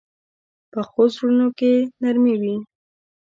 پخو زړونو کې نرمي وي